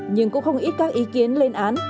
nhưng cũng không ít các ý kiến lên án